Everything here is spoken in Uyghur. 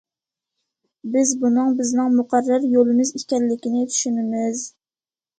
بىز بۇنىڭ بىزنىڭ مۇقەررەر يولىمىز ئىكەنلىكىنى چۈشىنىمىز.